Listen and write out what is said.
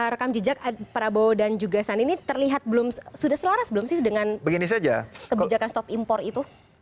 rekam jejak prabowo dan juga sandi ini terlihat belum sudah selaras belum sih dengan kebijakan stop impor itu